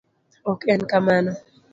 Ok en kamano.